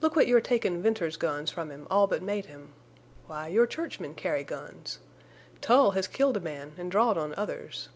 Look what your takin' Venters's guns from him all but made him! Why, your churchmen carry guns. Tull has killed a man an' drawed on others.